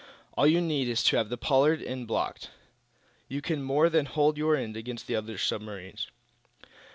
All you need is to have the Pollard end blocked. You can more than hold your end against the other submarines."